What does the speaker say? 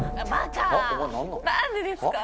何でですか。